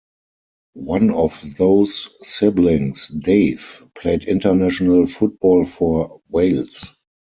One of those siblings, Dave, played international football for Wales.